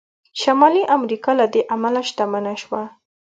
شمالي امریکا له دې امله شتمنه شوه.